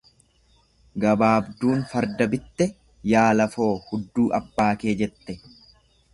Gabaabduun farda bitte yaa lafoo hudduu abbaa kee jette.